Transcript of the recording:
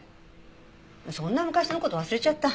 そんな昔の事忘れちゃった。